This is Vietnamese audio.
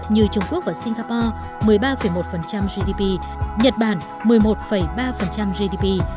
như trung quốc và singapore một mươi ba một gdp nhật bản một mươi một ba gdp